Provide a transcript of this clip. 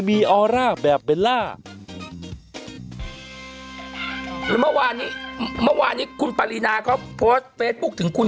เมื่อวานนี้คุณปารีนาเขาโพสต์เฟซบุ๊กถึงคุณ